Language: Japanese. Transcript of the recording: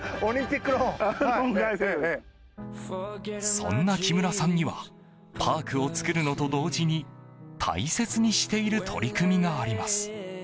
そんな木村さんにはパークを作るのと同時に大切にしている取り組みがあります。